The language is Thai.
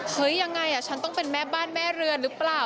เฮ้ยยังไงฉันต้องเป็นแม่บ้านแม่เรือหรือเปล่า